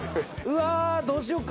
うわ。